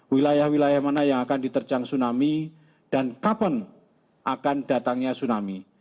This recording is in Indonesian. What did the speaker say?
wilayah wilayah mana yang akan diterjang tsunami dan kapan akan datangnya tsunami